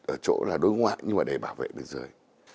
ở chỗ là đối ngoại nhưng mà để bảo vệ biên giới